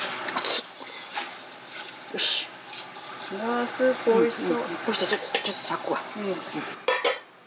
あスープおいしそう。